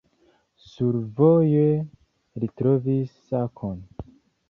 Survoje li trovis sakon.